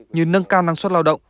như nâng cao năng suất lao động